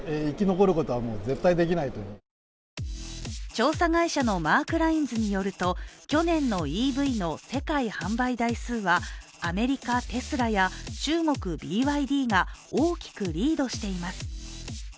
調査会社のマークラインズによると去年のＥＶの世界販売台数はアメリカ・テスラや中国・ＢＹＤが大きくリードしています。